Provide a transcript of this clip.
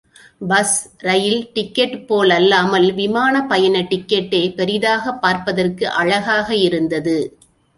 Bus ரயில் ticket போலல்லாமல், விமானப் பயண டிக்கெட்டே பெரிதாக பார்ப்பதற்கு அழகாக இருந்தது.